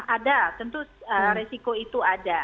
ada tentu resiko itu ada